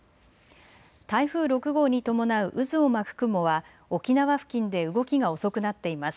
台風６号に伴う渦を巻く雲は沖縄付近で動きが遅くなっています。